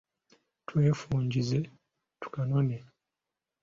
Twefungize tukanone.